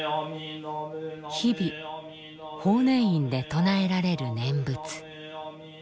日々法然院で唱えられる念仏。